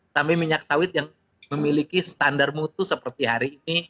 tapi minyak sawit yang memiliki standar mutu seperti hari ini